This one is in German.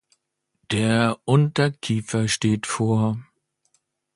Der Unterkiefer steht vor.